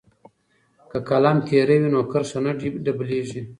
که قلم تیره وي نو کرښه نه ډبلیږي.